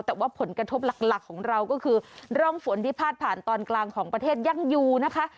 แต่ว่าผลกระทบหลักของเราก็คือร่องฝนที่พาดผ่านตอนกลางของประเทศยังอยู่นะคะ